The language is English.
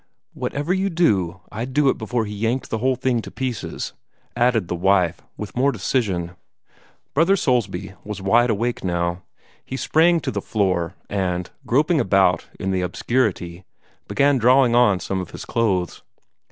"Whatever you do, I'd do it before he yanked the whole thing to pieces," added the wife, with more decision. Brother Soulsby was wide awake now. He sprang to the floor, and, groping about in the obscurity, began drawing on some of his clothes.